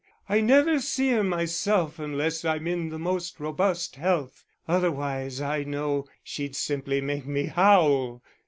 I never see her myself unless I'm in the most robust health, otherwise I know she'd simply make me howl."